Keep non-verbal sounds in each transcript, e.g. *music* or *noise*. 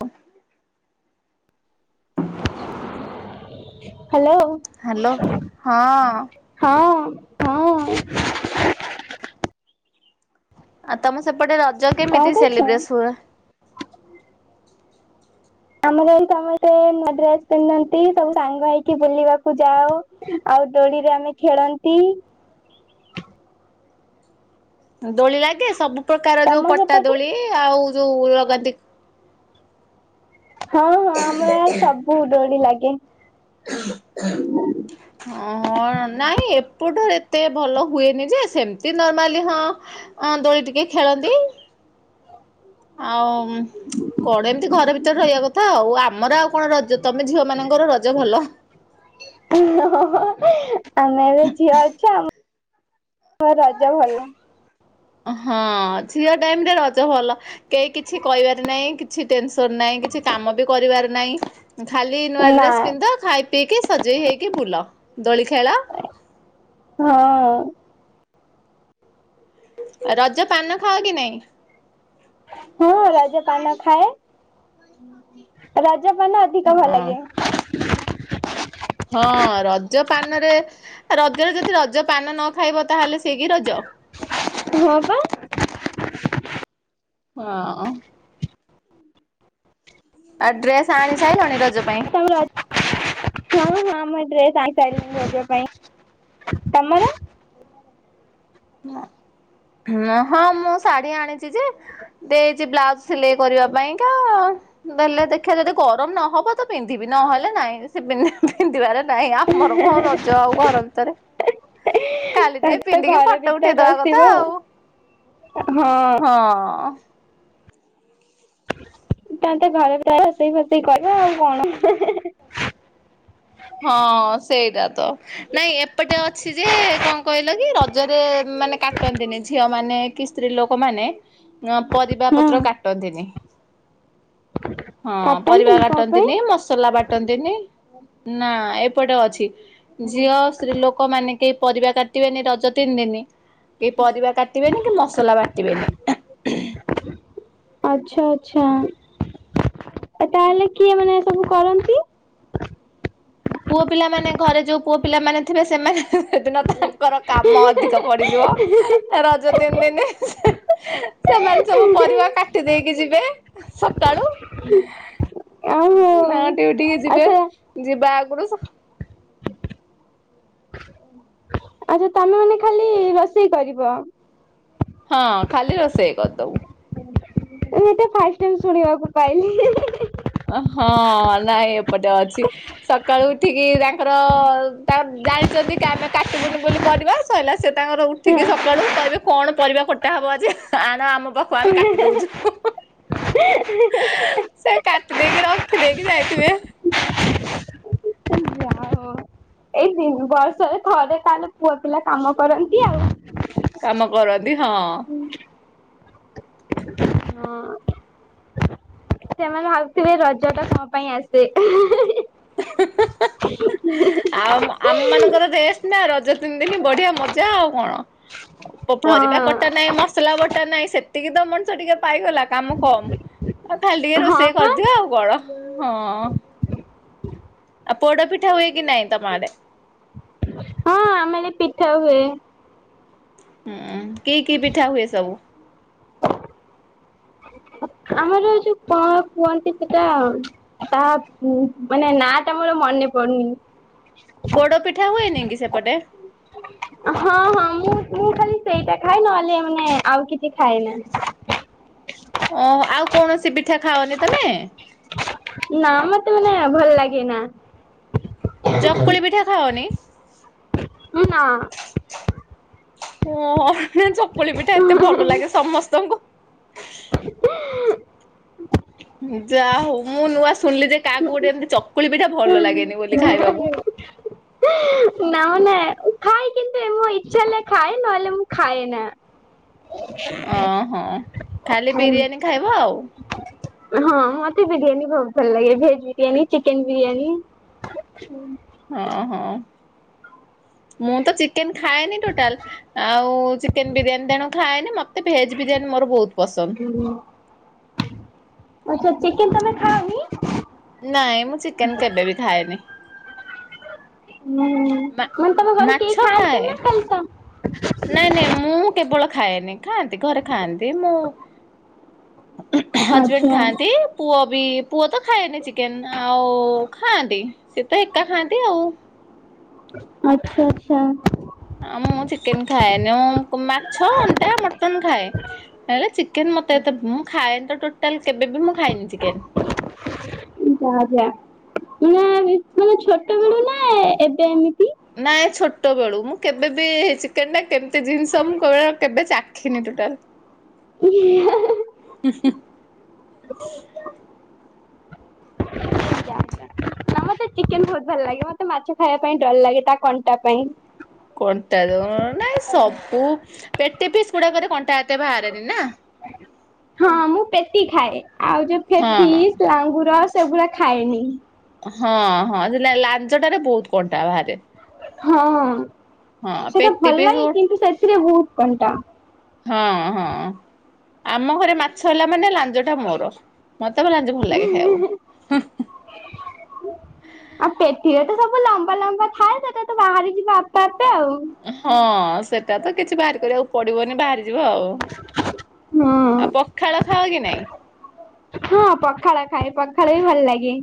ହ hello hello ହଁ ହଁ ହଁ ଆଉ ତମ ସେପଟେ ରଜ କଣ କେମିତି କରୁଛ? ସେଲିବ୍ରେସ ହୁଏ? ଆମର ସମସ୍ତେ ନୂଆ ଡ୍ରେସ ପିନ୍ଧନ୍ତି, ସବୁ ସାଙ୍ଗ ହୋଇକି ବୁଲିବାକୁ ଯାଉ। ଆଉ ଦୋଡିରେ ଆମେ ଖେଳନ୍ତି। ଦୋଳି ଲାଗେ ସବୁ ପ୍ରକାର ଯୋଉ ତମ ପଟା ସେପଟେ? ଦୋଳି ଆଉ ଯୋଉ ଲଗାନ୍ତି ହଁ ହଁ ଆମର ସବୁ ଡୋଳୀ ଲାଗେ। *unintelligible* ଓହଁ ନାଇଁ ଏପଟୁ ଏତେ ଭଲ ହୁଏନି ଯେ, ସେମିତି ନର୍ମାଲି ହଁ ଅଁ ଦୋଳି ଟିକେ ଖେଳନ୍ତି। ଆଉ କଣ ଏମିତି ଘର ଭିତରେ ରହିବା କଥା ଆଉ ଆମର ଆଉ କଣ ରଜ ତମେ ଝିଅ ମାନଙ୍କର ରଜ ଭଲ। ଆମେ ଏବେ ଝିଅ ଅଛ ଆମ ରଜ ଭଲ। ହଁ ଝିଅ ଟାଇମରେ ରଜ ଭଲ। କେହି କିଛି କହିବାର ନାହିଁ କି କିଛି ଟେନସନ୍ ନାହିଁ, କିଛି କାମ ବି କରିବାର ନାହିଁ, ଖାଲି ନୂଆ ନା ଡ୍ରେସ ପିନ୍ଧିଦ ଖାଇ ପିଇକି ସଜେଇ ହେଇକି ବୁଲ ଦୋଳି ଖେଳ ହଁ ରଜ ପାନ ଖାଅ କି ନାଇଁ? ହଁ ରଜପାନ ଖାଏ, ରଜ ପାନ ଅଧିକ ଭଲ ହଁ ଲାଗେ। ହଁ ରଜ ପାନରେ ରଜରେ ଯଦି ରଜ ପାନ ନ ଖାଇବ ତାହେଲେ ସି କିି ରଜ। ହଁ ବା। ହଁ ଆଉ ଡ୍ରେସ ଆଣି ସାରିଲଣି ରଜ ପାଇଁ। ତମ ରଜ ହଁ ହଁ ମୁ ଡ୍ରେସ ଆଣିସାରିଲିଣି ରଜ ପାଇଁ। ତମର? ହଁ ମୁଁ ଶାଢୀ ଆଣିଛି ଯେ, ଦେଇଛି ବ୍ଲାଉଜ ସିଲେଇ କରିବା ପାଇଁକା ଦେଲେ ଦେଖିବା ଯଦି ଗରମ ନହବ ତ ପିନ୍ଧିବି ନହେଲେ ନାଇଁ ସେ ପିନ୍ଧିବାରେ ନାହିଁ, ଆମର କଣ ରଜ ଆଉ ଘର ଭିତରେ। କାଲି ଟିକେ ତାହେଲେ ତ ପିନ୍ଧିକି ଘର ଫଟ ଭିତରେ ଉଠେଇଦବା ରସିବ କଥା ଆଉ। ଆଉ ହଁ। ହଁ ତା ତେ ଘରେ *unintelligible* ରୋଷେଇ ଫୋସେଇ କଲ ଆଉ କଣ। ହଁ ସେଇଟା ତ ନାଇଁ ଏପଟେ ଅଛି ଯେ କଣ କହିଲ କି ରଜରେ ମାନେ କାଟନ୍ତିନି ଝିଅ ମାନେ କି ସ୍ତ୍ରୀ ଲୋକ ମାନେ ଅ ପରିବା ହଁ ପତ୍ର କାଟନ୍ତିନି। ହଁ ପରିବା କାଟନ୍ତିନି କଣ ପାଇଁ? କାଟନ୍ତିନି ମସଲା ବାଟନ୍ତିନି ନା ଏପଟେ ଅଛି ଝିଅ ସ୍ତ୍ରୀ ଲୋ ଲୋକମାନେ କେହି ପରିବା କାଟନ୍ତିନି ରଜ ତିନିଦିନି। କେ ପରିବା କାଟିବେନି କି ମସଲା ବାଟିବେନି। ଆଚ୍ଛା ଆଚ୍ଛା ତାହାଲେ କିଏ ମାନେ ଏସବୁ କରନ୍ତି? ପୁଅ ପିଲାମାନେ ଘରେ ଯୋଉ ପୁଅ ପିଲାମାନେ ଥିବେ, ସେମାନେ ସେଦିନ ତା ର କାମ ଅଧିକ ପଡ଼ିଯିବ। ରଜ ତିନିଦିନ ସେମାନେ ସବୁ ପରିବା କାଟି ଦେଇକି ଯିବେ ସକାଳୁ ହୁଁ ନା ଟିକେ ଟିକେ ଯିବେ ଆଚ୍ଛା ଯିବା ଆଗରୁ ଆରେ ତମେ ମାନେ ଖାଲି ରୋଷେଇ କରିବ। ହଁ ଖାଲି ରୋଷେଇ କରିଦବୁ। ଏଇଟା ଫାଷ୍ଟ ଟାଇମ ଶୁଣିବାକୁ ପାଇଲି। ହଁ ନାଇଁ ଏପଟେ ଅଛି ସକାଳୁ ଉଠିକି ର ତା ଜାଣିଛନ୍ତି କି ଆମେ କାଟିବୁନି ବୋଲି ପରିବା ସରିଲା ସେ ତାଙ୍କର ଉଠିକି ସକାଳୁ କହିବେ କଣ ପରିବା କଟା ହବ ଆଜି ଆଣ ଆମ ପାଖକୁ ଆମେ କାଟି ଦଉଛୁ। ହଁ ସେ କାଟି ଦେଇକି ରଖିଦେଇକି ଯାଇଥିବେ। ହିଁ ବର୍ଷରେ ଥରେ ତାହେଲେ ପୁଅ ପିଲା କାମ କରନ୍ତି ଆଉ। କାମ କରନ୍ତି ହଁ। ହଁ। ସେମାନେ ଭାବୁଥିବେ ରଜ ତା କଣ ପାଇଁ ଆସେ। ଆଉ ଆମ ମାନଙ୍କର ରେଷ୍ଟ ନା ରଜ ତିନି ଦିନ ବଢିଆ ମଜା ଆଉ କଣ ହଁ ପରିବା କଟା ନାଇଁ ମ ସଲା ବଟା ନାଇଁ ସେତିକି ତ ମଣିଷ ଟିକେ ପାଇଗଲା କାମ କମ। ଆଉ ଖାଲି ଟିକେ ହଁ ରୋଷେଇ ପା କରିଦିଅ ଆଉ କଣ ହଁ। ଆଉ ପୋଡା ପିଠା ହୁଏ କି ନାହିଁ ତମ ଆଡେ? ହଁ ଆମେ ଆଲେ ପିଠା ହୁଏ। ହୁଁ କି କି ପିଠା ହୁଏ ସବୁ? ଆମର ଯୋଉ କଣ କୁହନ୍ତି ସେଟା ତାହା ମାନେ ନା ଟା ମୋର ମନେ ପଡୁନି। ପୋଡ ପିଠା ହୁଏନି କି ସେପଟେ? ହଁ ହଁ ମୁଁ ମୁ ଖାଲି ସେଇଟା ଖାଏ ନହେଲେ ମାନେ ଆଉ କିଛି ଖାଏ ନା। ଓ ଆଉ କୌଣସି ପିଠା ଖାଅନି ତମେ? ନା ମତେ ମାନେ ଭଲ ଲାଗେ ନା। ଚକୁଳି ପିଠା ଖାଅନି? ନା। ହଁ ନା ଚକୁଳି ପିଠା ଏତେ ଭଲ ଲାଗେ ସମସ୍ତଙ୍କୁ ଯା ହଉ ମୁଁ ନୂଆ ଶୁଣିଲି ଯେ କାହାକୁ ଗୋଟେ ଏମିତି ଚକୁଳି ପିଠା ଭଲ ଲାଗେନି ବୋଲି ଖାଇବାକୁ। ନା ନା ଖାଏ କିନ୍ତୁ ମୁଁ ଇଚ୍ଛା ହେଲା ଖାଏ ନହେଲେ ମୁଁ ଖାଏ ନା। ଅଁ ହ ଖାଲି ବିରିୟାନୀ ଖାଇବ ଆଉ। ହଁ ମତେ ବିରିୟାନୀ ବହୁତ ଭଲ ଲାଗେ ଭେଜ ବିରିୟାନୀ ଚିକେନ ବିରିୟାନୀ। ହଁ ହଁ ମୁଁ ତ ଚିକେନ ଖାଏନି ଟୋଟାଲ ଆଉ ଚିକେନ ବିରିୟାନୀ ତେଣୁ ଖାଏନି ମତେ ଭେଜ ବିରିୟାନୀ ମୋର ବହୁତ ପସନ୍ଦ। ହୁଁ। ଆଚ୍ଛା ଚିକେନ ତମେ ଖାଅନି? ନାଇଁ ମୁଁ ଚିକେନ କେବେ ବି ଖାଏନି। ହୁଁ ମା ମାନେ ତମ ଘରେ କେହି ମାଛ ଖାଏ ଖାଆନ୍ତି ନା ଖାଲି ତ ନାଇଁ ନାଇଁ ମୁଁ କେବଳ ଖାଏନି ଖାଆନ୍ତି ଘରେ ଖାଆନ୍ତି ମୁଁ ହଜବେଣ୍ଡ ଆଚ୍ଛା ଖାଆନ୍ତି। ପୁଅ ବି ପୁଅ ତ ଖାଏନି ଚିକେନ ଆଉ ଖାଆନ୍ତି ସିଏ ତ ଏକା ଖାଆନ୍ତି ଆଉ। ଆଚ୍ଛା ଆଚ୍ଛା। ଆଉ ମୁଁ ଚିକେନ ଖାଏନି ମାଛ, ଅଣ୍ଡା, ମଟନ ଖାଏ। ହେଲେ ଚିକେନ ମତେ ଏତେ ମୁଁ ଖାଏନି ତ ଟୋଟାଲ କେବେ ବି ମୁଁ ଖାଇନି ଚିକେନ। ଆଜ୍ଞା ମାନେ ଛୋଟ ବେଳୁ ନା ଏବେ ଏମିତି ନାଇଁ ଛୋଟ ବେଳୁ ମୁଁ କେବେ ବି ଚିକେନ ଟା କେମିତି ଜିନିଷ ମୁଁ କେବଳ କେବେ ଚାଖିନି ଟୋଟାଲ। *inaudible* ହୁଁ ହୁଁ। ଯା। ନା ମତେ ଚିକେନ ବହୁତ ଭଲ ଲାଗେ ମତେ ମାଛ ଖାଇବା ପାଇଁ ଡର ଲାଗେ ତା କଣ୍ଟା ପାଇଁ। କଣ୍ଟା ଯୋଗୁ ନାଇଁ ସବୁ ପେଟି ପିସ୍ ଗୁଡାକରେ କଣ୍ଟା ଏତେ ବାହାରେନି ନା। ହଁ ମୁଁ ପେଟି ଖାଏ ଆଉ ଯୋଉ ଫିସ ହଁ ଲାଙ୍ଗୁର ସେଗୁଡା ଖାଏନି। ହଁ ହଁ ଲାଞ୍ଜ ଟାରେ ବହୁତ କଣ୍ଟା ବାହାରେ। ହଁ ହଁ ସେଟା ପେଟି ଭଲ ପିସ୍ ହିଁ ହଁ କିନ୍ତୁ ସେଥିରେ ବହୁତ କଣ୍ଟା। ହଁ ହଁ। ଆମ ଘରେ ମାଛ ହେଲା ମାନେ ଲାଞ୍ଜ ଟା ମୋର ମତେ ଲାଞ୍ଜ ଭଲ ଲାଗେ ଖାଇବାକୁ। ଆଉ ପେଟିରେ ତ ସବୁ ଲମ୍ବା ଲମ୍ବା ଥାଏ ସେଟା ତ ବାହାରି ଯିବ ଆପେ ଆପେ ଆଉ। ହଁ ସେଟା ତ କିଛି ବାହାରି କରିବାକୁ ପଡିବନି ବାହାରି ଥିବ ଆଉ। ହୁଁ ଆଉ ପଖାଳ ଖାଅ କି ନାଇଁ। ହଁ ପଖାଳ ଖାଏ ପଖାଳ ବି ଭଲ ଲାଗେ।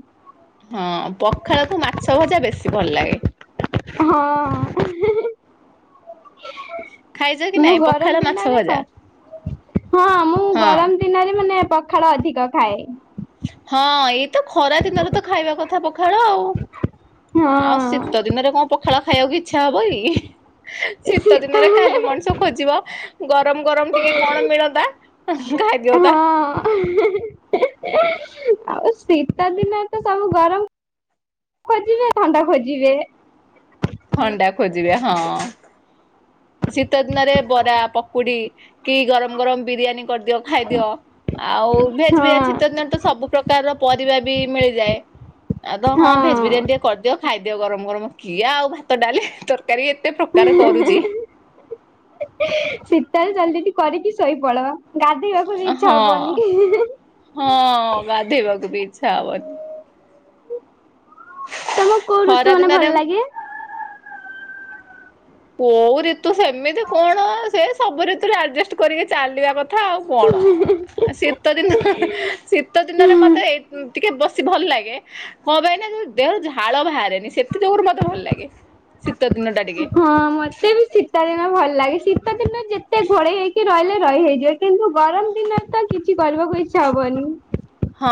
ହଁ ପଖାଳ କୁ ମାଛ ଭଜା ବେଶି ଭଲ ଲାଗେ। ହଁ ଖାଇଛ କି ମୁଁ ନାଇଁ ପଖାଳ ଗରମ ମାଛ ଦିନରେ କ ଭଜା? ହଁ ମୁଁ ହଁ ଗରମ। ଦିନରେ ମାନେ ପଖାଳ ଅଧିକ ଖାଏ। ହଁ ଏଇତ ଖରା ଦିନରେ ତ ଖାଇବା କଥା ପଖାଳ ଆଉ। ଆଉ ହଁ ଶୀତ ଦିନରେ କଣ ପଖାଳ ଖାଇବାକୁ ଇଚ୍ଛା ହବ କି? ଶୀତ ଦିନରେ ଖାଲି ଶୀତରେ ମଣିଷ ଖୋଜିବ ଗରମ ଗରମ ଟିକେ କଣ ମିଳନ୍ତା? ଖାଇ ହଁ। ଦିଅନ୍ତା। *unintelligible* ଆଉ ଶୀତ ଦିନ ତ ସବୁ ଗରମ। ଖୋଜିବେ ଥଣ୍ଡା ଖୋଜିବେ। ଥଣ୍ଡା ଖୋଜିବେ ହଁ। ଶୀତ ଦିନରେ ବରା ପକୁଡି କି ଗରମ ଗରମ ବିରିୟାନୀ କରିଦିଅ। ଖାଇଦିଅ ଆଉ ଭେଜ ହଁ ବିରିୟାନ ଶୀତ ଦିନ ତ ସବୁ ପ୍ରକାରର ପରିବା ବି ମିଳିଯାଏ। ଆଉ ତ ହଁ ଭେଜ ବିରିୟାନୀ ଟିକେ କରିଦିଅ ଖାଇଦିଅ ଗରମ ଗରମ କିଏ ଆଉ ଭାତ ଡାଲି ତୋର କାରୀ ଏତେ ପ୍ରକାର କରୁଛି। ଶୀତ ଚାଲଦଛି କରିକି ଶୋଇପଲେଇବ। ଗାଧୋଇବାକୁ ବି ହଁ ଇଚ୍ଛା ହବନି। ହଁ ଗାଧେଇବାକୁ ବି ଇଛି ହବନି। ତମକୁ କୋଉ ଋତୁ ଖରା ମାନେ ଦିନରେ ଭଲ ଲାଗେ? କୋଉ ଋତୁ ସେମିତି କଣ ସେ ସବୁ ଋତୁରେ ଆଜେଷ୍ଟ୍ କରିକି ଚାଲିବା କଥା ଆଉ କଣ? ଶୀତ ଦିନ ଶୀତ ଦିନରେ ମତେ ଏଇ ଟିକେ ବସି ଭଲ ଲାଗେ। କଣ ପାଇଁ ନା ଯୋଉ ଦେହରୁ ଝାଳ ବାହାରେନି ସେଥି ଯୋଗୁରୁ ମତେ ଭଲ ଲାଗେ। ଶୀତ ଦିନଟା। ହଁ ମତେ ବି ଶୀତ ଦିନ ଭଲ ଲାଗେ ଶୀତ ଦିନ ଯେତେ ଘୋଡେଇ ହେଇକି ରହିଲେ ରହି ହେଇଯିବ। କିନ୍ତୁ ଗରମ ଦିନରେ ତ କିଛି କରିବାକୁ ଇଚ୍ଛା ହବନି। ହଁ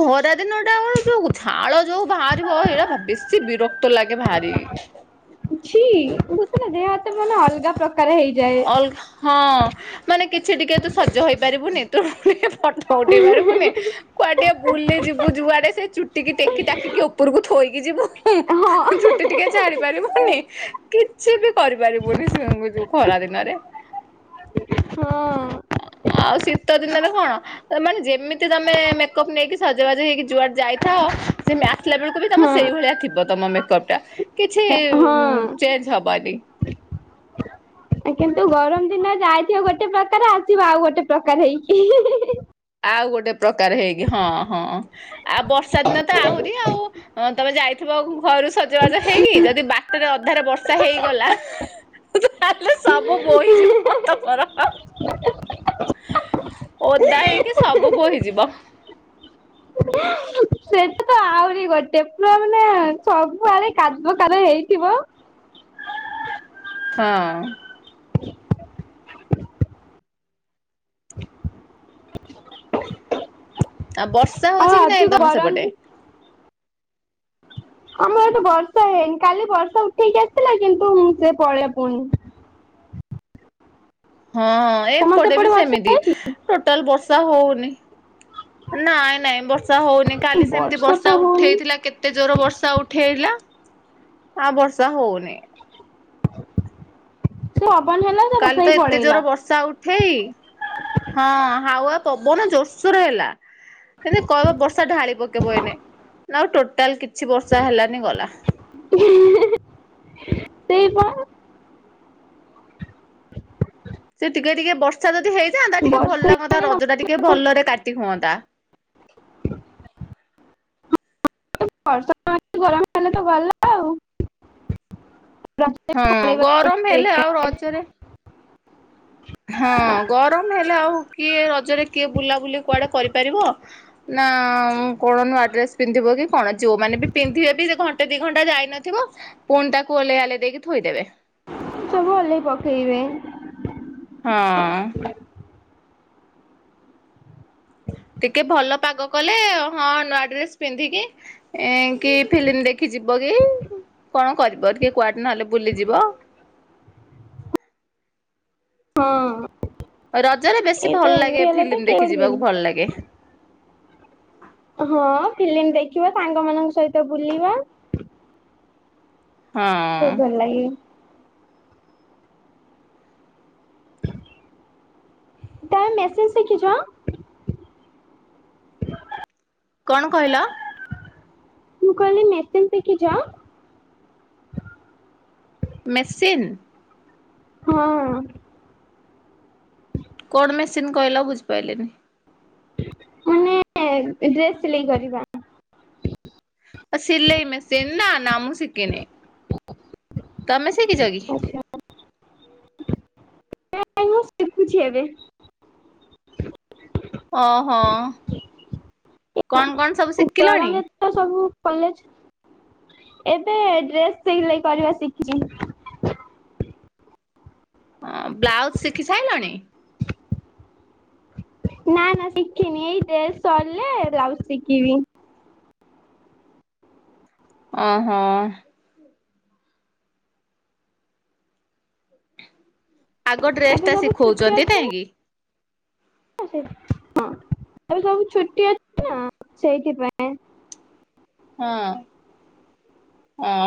ଖରା ଦିନ ଟା କଣ ଯଉ ଝାଳ ଯୋଉ ବାହାରିବ ଏଇଟା ବେଶୀ ବିରକ୍ତ ଲାଗେ ଭାରି। ଛି ଦେହ ହାତ ମାନେ ଅଲଗା ପ୍ରକାର ହେଇଯାଏ। ଅଲଗା ହଁ। ମାନେ କିଛି ଟିକେ ତୁ ସଜ ହେଇପାରିବୁନି ତୁ ଟିକେ ଫଟ ଉଠେଇ ପାରିବୁନି। କୁଆଡେ ବୁଲି ଯିବୁ ଯୁଆଡେ ସେ ଚୁଟିକି ଟେକି ଟାକିକି ଉପରକୁ ଥୋଇକି ଯିବୁ। ହଁ ଛୁଟି ଟିକେ ଚାଡି ପା ରିବୁନି କିଛି ବି କରିପାରିବୁନି ସୁଗ୍ ଯୋଉ ଖରା ଦିନରେ। ହଁ। ଆଉ ଶୀତ ଦିନରେ କଣ ତ ମାନେ ଯେମିତି ତମେ ମେକଅପ୍ ନେଇକି ସଜବାଜ ହେଇକି ଯୁଆଡେ ଯାଇ- ଥାଅ ସେମ୍ ଆସିଲା ବେଳକୁ ବି ତମ ହଁ ସେଇଭଳିଆ ଥିବ ତମ ମେକପ୍ ଟା। କିଛି ହଁ। ଚେଞ୍ଜ ହବନି। କିନ୍ତୁ ଗରମ ଦିନ ଯାଇଥିବ ଗୋଟେ ପ୍ରକାର ଆସିବ ଆଉ ଗୋଟେ ପ୍ରକାର ହେଇକି। ଆଉ ଗୋଟେ ପ୍ରକାର ହେଇକି ହଁ ହଁ। ଆଉ ବର୍ଷା ଦିନ ତ ଆହୁରି ଆଉ। ହଁ ତମେ ଯାଇଥିବ ଘରୁ ସଜବାଜ ହେଇକି ଯଦି ବାଟରେ ଅଧାରେ ବର୍ଷା ହେଇଗଲା ତାଲେ ସବୁ ବୋହିଯିବ ତମର। ଓଦା ହେଇକି ସବୁ ବୋହିଯିବ। ସେଟା ତ ଆଉ କରି ଗୋଟେ ପୁରା ମାନେ ସବୁଆରେ କାଦୁଅ କାର ହେଇଥିବ। ହଁ ଆଉ ବର୍ଷା ଆଉ ହଉଛି କି ନାଇଁ ଅଧିକ ତମ ସେପଟେ? ଗରମ ଆମ ଏଠି ବର୍ଷା ହେଇନି କାଲି ବର୍ଷା ଉଠେଇକି ଆସିଥିଲା କିନ୍ତୁ ମୁଁ ସେ ପଳେଇଲା ପୁଣି। ହଁ ତମର ଏପଟେ ବି ସେପଟେ ବର୍ଷା ସେମିତି। ହଉଛି? ଟୋଟାଲ ବର୍ଷା ହଉନି ନାଇଁ ନାଇଁ ବର୍ଷା ହଉନି। କାଲି ସେମିତି ବର୍ଷା ତ ହଉନି। ଉଠେଇଥିଲା କେ ତେ ଜୋର ବର୍ଷା ଉଠେଇଲା ଆଉ ବର୍ଷା ହଉନି। ହବନି ହେଲା। ସେ ବର୍ଷା କାଲି ବି ତ ଏତେ ପଳେଇଲା ଜୋର ବର୍ଷା ଉଠେଇ ହଁ ହାୱା ପବନ ଜୋରସୋରେ ହେଲା। ଏଇନେ କହିବ ବର୍ଷା ଢାଳି ପକେଇବ ଏଇନେ ନା ଆଉ ଟୋଟାଲ କିଛି ବର୍ଷା ହେଲାନି ଗଲା। ସେଇପା। ସେ ଟିକେ ଟିକେ ବର୍ଷା ଯଦି ହେଇଯାନ୍ତା ଟିକେ ଭଲ ବର୍ଷା ଲାଗନ୍ତା ହେଲେ ରଜ ଟା ଟିକେ ଭଲରେ କାଟି ହୁଅନ୍ତା। *inaudible* ହଁ ବି ପଳେଇବ ଗରମ ହେଲେ ଆଉ ବେକାର ରଜରେ ହଁ ଗରମ ହେଲେ ଆଉ କିଏ ରଜରେ କିଏ ବୁଲାବୁଲି କୁଆଡେ କରିପାରିବ? ନା କଣ ନୁଆ ଡ୍ରେସ ପିନ୍ଧିବ କି? କଣ ଯୋଉ ମାନେ ବି ପିନ୍ଧିବେ ବି ସେ ଘଣ୍ଟେ ଦି ଘଣ୍ଟା ଯାଇନଥିବ ପୁଣି ତାକୁ ଓଲ୍ହେଇଆଲ୍ହେଇ ଦେଇକି ଥୋଇଦେବେ। ସବୁ ଓଲ୍ହେଇ ପକେଇବେ। ହଁ ଟିକେ ଭଲ ପାଗ କଲେ ହଁ ନୂଆ ଡ୍ରେସ୍ ପିନ୍ଧିକି ଏଁ କି ଫିଲିମ୍ ଦେଖିଯିବ କି କଣ କରିବ ଟିକେ କୁଆଡେ ନହେଲେ ବୁଲିଯିବ। ହଁ ରଜରେ ବେଶୀ ଏ ଭଲ ତ ଏମିତି ଲାଗେ ହେଲେ ତ ଫିଲିମ୍ ଦେଖି କେଉଁଠି ଯିବାକୁ ଦିନ ଭଲ ଲାଗେ। ହଁ ଫିଲିମ୍ ଦେଖିବା ସାଙ୍ଗ ମାନଙ୍କ ସହିତ ବୁଲିବା। ହଁ ଖୁବ୍ ଭଲ ଲାଗେ। *inaudible* ତମେ ମେସେଜ ଶିଖିଛ? *inaudible* କଣ କହିଲ? ମୁଁ କହିଲି ମେସିନ୍ ଶିଖିଚ। ମେସିନ୍। ହଁଅଁ। କଣ ମେସିନ୍ କହିଲ ବୁଝିପାଇଲିନି। ମାନେ ଡ୍ରେସ୍ ସିଲେଇ କରିବା। ଅ ସିଲେଇ ମେସିନ୍ ନା ନା ମୁଁ ଶିକିନି, ତମେ ଶିଖିଛ କି? ଆଚ୍ଛା *unintelligible* ମୁଁ ସିକୁଛି ଏବେ। ଅଁ ହଁ କଣ କଣ ସବୁ ଶିକିଲଣି? *unintelligible* ସବୁ କଲେଜ ଏବେ ଡ୍ରେସ୍ ସିଲେଇ କରିବା ଶିଖିଚି। ଅଁ ବ୍ଲାଉଜ୍ ଶିଖି ସାଇଲଣି। ନା ନା ଶିଖିନି ଏଇ ଡ୍ରେସ୍ ସରିଲେ ବ୍ଲାଉଜ୍ ଶିକିବି। ଅଁ ହଁଅଁ। ଆଗ ଡ୍ରେସ୍ ଏବେ ଟା ସବୁ ଶିଖଉଚନ୍ତି ନାଇଁକି। ହଁ ସେଇଥି ହଁ ଏବେ ସବୁ ଛୁଟି ଅଛି ନା ସେଇଥିପାଇଁ। ହଁଅ। ଅଁ